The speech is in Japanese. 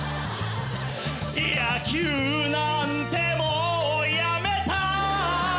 「野球なんてもう辞めた」